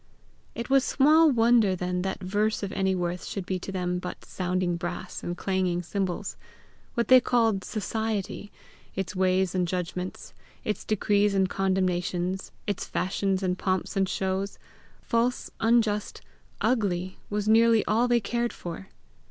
It was small wonder then that verse of any worth should be to them but sounding brass and clanging cymbals. What they called society, its ways and judgments, its decrees and condemnations, its fashions and pomps and shows, false, unjust, ugly, was nearly all they cared for.